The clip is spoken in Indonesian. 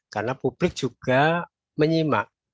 karena publik juga menyimak